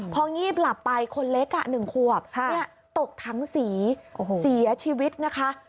พองีบหลับไปคนเล็ก๑ขวบตกถังสีเสียชีวิตนะคะ